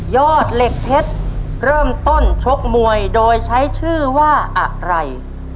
เหล็กเพชรเริ่มต้นชกมวยโดยใช้ชื่อว่าอะไร